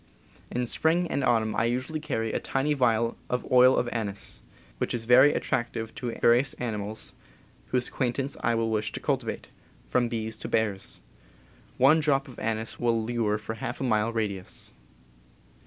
In spring and autumn I usually carry a tiny vial of oil of anise, which is very attractive to various animals whose acquaintance I wish to cultivate — from bees to bears. One drop of anise will lure for half a mile radius.